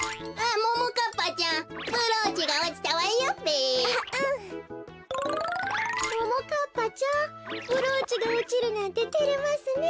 ももかっぱちゃんブローチがおちるなんててれますねえ。